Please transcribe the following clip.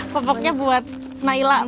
popoknya buat naila